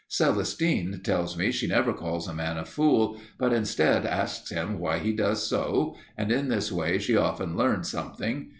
Celestine tells me she never calls a man a fool, but instead asks him why he does so, and in this way she often learns something.